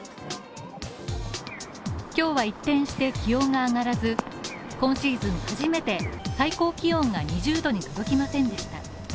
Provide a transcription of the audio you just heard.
今日は一転して気温が上がらず、今シーズン初めて最高気温が２０度に届きませんでした。